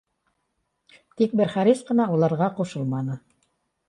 Тик бер Харис ҡына уларға ҡушылманы